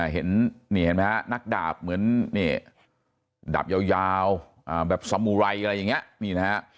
เห็นนี่เห็นมั้ยฮะนักดาบเหมือนเนี่ยดาบยาวแบบสมุไรอะไรอย่างเงี้ยนี่นะฮะ